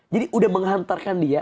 jadi udah menghantarkan dia